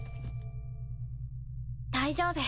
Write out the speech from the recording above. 大丈夫。